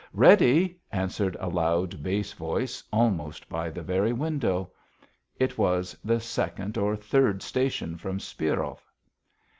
"Ready," answered a loud, bass voice almost by the very window. It was the second or third station from Spirov.